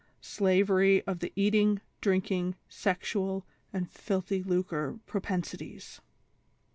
Slavery to the Eating, Drinking, Sexual and Filthy Lucre Propensities.